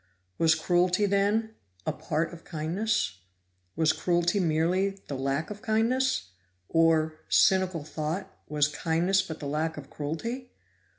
Was cruelty, then, a part of kindness? Was cruelty merely the lack of kindness, or, cynical thought, was kindness but the lack of cruelty?